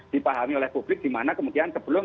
dipahami oleh publik di mana kemudian sebelum